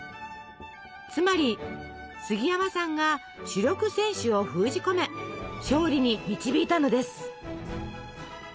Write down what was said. つまり杉山さんが主力選手を封じ込め勝利に導いたのです。